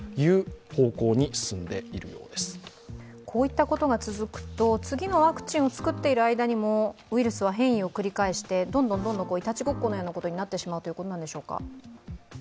こういったことが続くと次のワクチンを作っている間にもウイルスは変異を繰り返して、どんどんいたちごっこのようなことになってしまうということでしょうか？